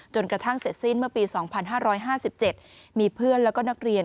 กระทั่งเสร็จสิ้นเมื่อปี๒๕๕๗มีเพื่อนแล้วก็นักเรียน